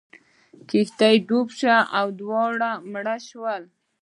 کښتۍ ډوبه شوه او دواړه مړه شول.